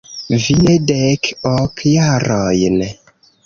Vi ne dek ok jarojn.